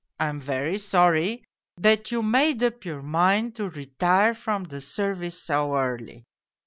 I am very sorry that you made up your mind to retire from the service so early.